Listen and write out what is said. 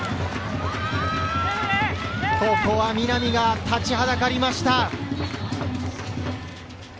ここは南が立ちはだかりました。